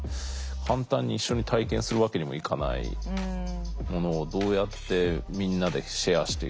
簡単に一緒に体験するわけにもいかないものをどうやってみんなでシェアしていくのか。